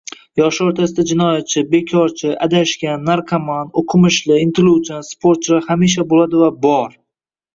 Yoshlar oʻrtasida jinoyatchi, bekorchi, adashgan, narkoman, oʻqimishli, intiluvchan, sportchilar hamisha boʻladi va bor.